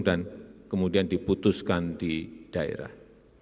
dan kemudian diputuskan di daerah